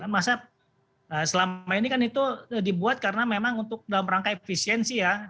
masa selama ini kan itu dibuat karena memang untuk dalam rangka efisiensi ya